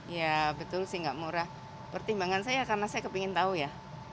ya betul sih gak murah pertimbangan saya karena saya kepingin tahu ya